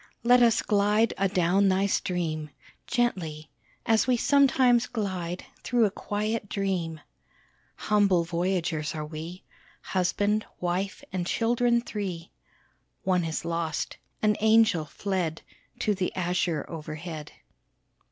Let us glide adown thy stream Gently as we sometimes glide Through a quiet dream! Humble voyagers are we, Husband, wife, and children three (One is lost an angel, fled To the azure overhead!)